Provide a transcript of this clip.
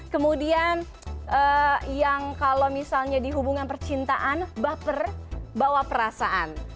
kemudian yang kalau misalnya di hubungan percintaan baper bawa perasaan